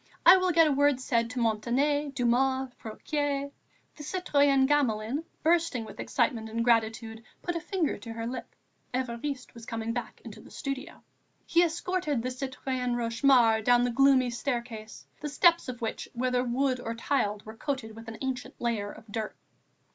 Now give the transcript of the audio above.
I will get a word said to Montané, Dumas, Fouquier." The citoyenne Gamelin, bursting with excitement and gratitude, put a finger to her lip; Évariste was coming back into the studio. He escorted the citoyenne Rochemaure down the gloomy staircase, the steps of which, whether of wood or tiled, were coated with an ancient layer of dirt.